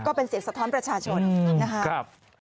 ก็เป็นเสียงสะท้อนประชาชนนะครับ